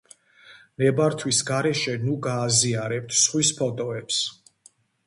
ნებართვის გარეშე ნუ ,გააზიარებთ სხვის ფოტოებს